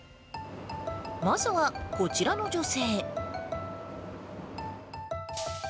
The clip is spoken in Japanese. まずは、こちらの女性。